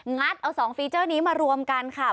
ัดเอา๒ฟีเจอร์นี้มารวมกันค่ะ